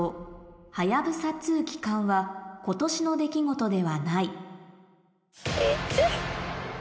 はやぶさ２帰還は今年の出来事ではない行って。